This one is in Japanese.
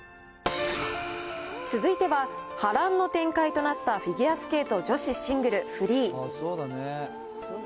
続いては、波乱の展開となったフィギュアスケート女子シングルフリー。